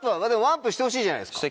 ＯＮＥＵＰしてほしいじゃないですか。